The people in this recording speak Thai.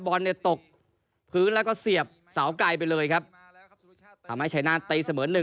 บอลเนี่ยตกพื้นแล้วก็เสียบเสาไกลไปเลยครับทำให้ชายนาฏตีเสมอหนึ่ง